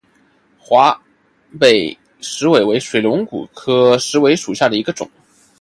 华北石韦为水龙骨科石韦属下的一个种。